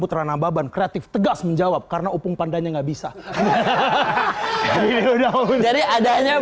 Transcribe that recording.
putra nababan kreatif tegas menjawab karena upung pandanya nggak bisa jadi adanya